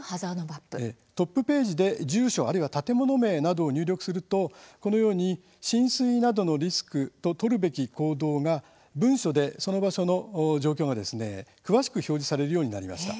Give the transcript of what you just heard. トップページで住所、あるいは建物名などを入力するとこのように浸水などのリスクと取るべき行動が文章で詳しく表示されるようになりました。